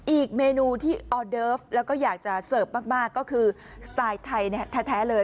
อีกเมนูที่ออเดิฟแล้วก็อยากจะเสิร์ฟมากก็คือสไตล์ไทยแท้เลย